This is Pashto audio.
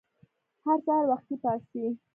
هر سهار وختي پاڅئ!